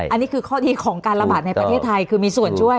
อันนี้คือข้อดีของการระบาดในประเทศไทยคือมีส่วนช่วย